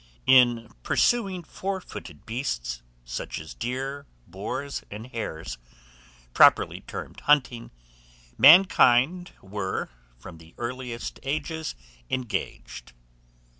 IN PURSUING FOUR FOOTED BEASTS, such as deer, boars, and hares, properly termed hunting, mankind were, from the earliest ages, engaged.